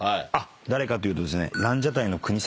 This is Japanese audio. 誰かというとですね。